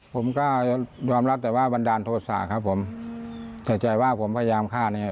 ผมก็ยอมรับแต่ว่าบันดาลโทษะครับผมใส่ใจว่าผมพยายามฆ่าเนี่ย